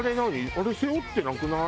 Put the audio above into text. あれ背負ってなくない？